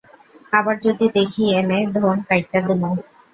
আবার যদি দেখি এনে, ধোন কাইট্টা দিমু।